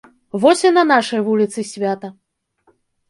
Вось і на нашай вуліцы свята.